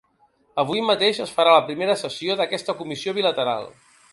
Avui mateix es farà la primera sessió d’aquesta comissió bilateral.